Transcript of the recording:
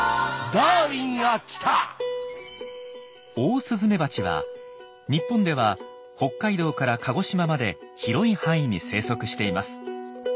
オオスズメバチは日本では北海道から鹿児島まで広い範囲に生息しています。